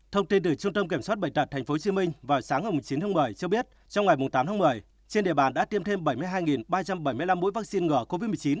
thông tin từ trung tâm kiểm soát bệnh tật tp hcm vào sáng ngày chín tháng một mươi cho biết trong ngày tám tháng một mươi trên địa bàn đã tiêm thêm bảy mươi hai ba trăm bảy mươi năm mũi vaccine ngừa covid một mươi chín